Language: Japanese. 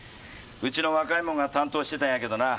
うちの若いもんが担当してたんやけどな。